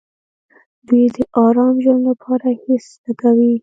دوی د ارام ژوند لپاره هېڅ نه کوي.